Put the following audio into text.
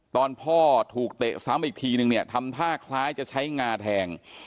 ตอนพ่อถูกเตะซ้ำอีกทีนึงเนี่ยทำท่าคล้ายจะใช้งาแทง